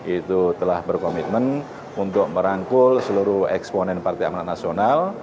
itu telah berkomitmen untuk merangkul seluruh eksponen partai amanat nasional